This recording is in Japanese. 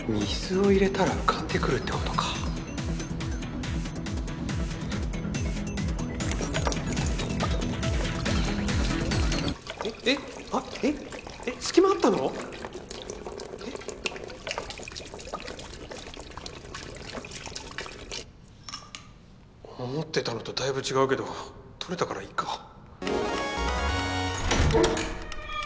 隙間あったの⁉思ってたのとだいぶ違うけど取れたからいっか。